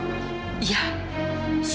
ya supaya dia tahu rasa